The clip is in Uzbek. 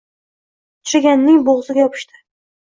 Uchraganning boʻgʻziga yopishdi